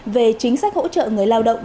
về chính sách hỗ trợ người lao động